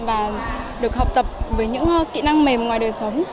và được học tập với những kỹ năng mềm ngoài đời sống